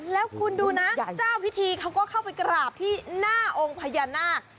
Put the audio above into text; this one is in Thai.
แล้วคุณดูนะเจ้าพิธีเขาก็เข้าไปกราบที่หน้าองค์พญานาค